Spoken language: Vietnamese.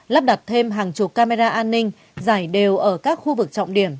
lắp đặt thêm hàng chục camera an ninh giải đều ở các khu vực trọng điểm